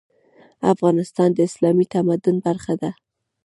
افغانستان د اسلامي تمدن برخه ده.